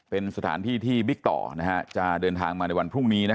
เป็นสถานที่ที่บิ๊กต่อจะเดินทางมาในวันพรุ่งนี้